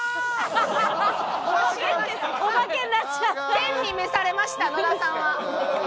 天に召されました野田さんは。